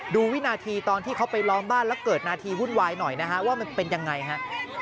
วินาทีตอนที่เขาไปล้อมบ้านแล้วเกิดนาทีวุ่นวายหน่อยนะฮะว่ามันเป็นยังไงฮะ